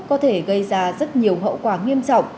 có thể gây ra rất nhiều hậu quả nghiêm trọng